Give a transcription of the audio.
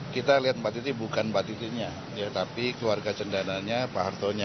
kita lihat mbak diti bukan mbak ditinya ya tapi keluarga cendananya pak hartonya